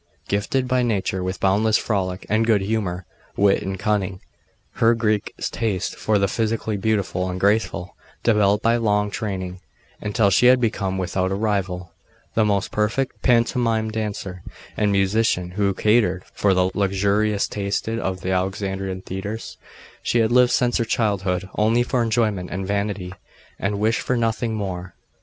Gifted by nature with boundless frolic and good humour, wit and cunning, her Greek taste for the physically beautiful and graceful developed by long training, until she had become, without a rival, the most perfect pantomime, dancer, and musician who catered for the luxurious tastes of the Alexandrian theatres, she had lived since her childhood only for enjoyment and vanity, and wished for nothing more.